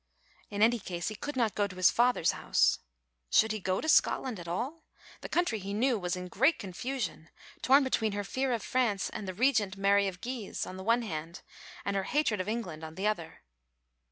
In any case he could not go to his father's house. Should he go to Scotland at all? The country he knew was in great confusion, torn between her fear of France and the Regent, Mary of Guise, on the one hand and her hatred of England on the other.